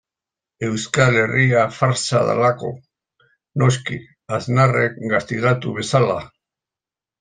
Euskal Herria fartsa delako, noski, Aznarrek gaztigatu bezala.